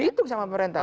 dihitung sama pemerintah